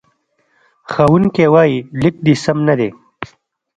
ښوونکی وایي، لیک دې سم نه دی.